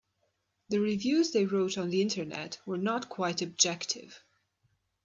The reviews they wrote on the Internet were not quite objective.